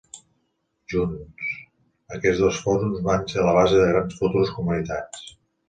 Junts, aquests dos fòrums van ser la base de grans futures comunitats.